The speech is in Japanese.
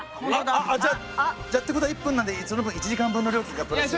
あっじゃあってことは１分なんでその分１時間分の料金がプラスに。